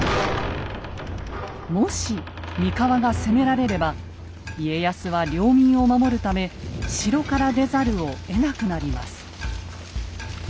もし三河が攻められれば家康は領民を守るため城から出ざるをえなくなります。